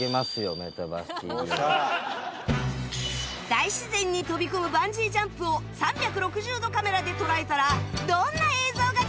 大自然に飛び込むバンジージャンプを３６０度カメラで捉えたらどんな映像が出来上がるのか？